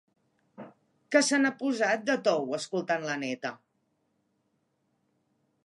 Que se n'ha posat de tou, escoltant la neta!